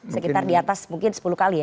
sekitar diatas mungkin sepuluh kali ya